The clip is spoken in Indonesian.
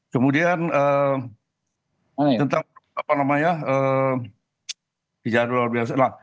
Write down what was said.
kemudian tentang pijat luar biasa